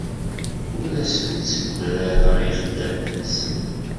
Ur asen-ssegrareɣ ixeddamen-nsen.